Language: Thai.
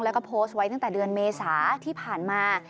แล้วก็โพสต์ไว้ตั้งแต่เดือนเมษาที่ผ่านมา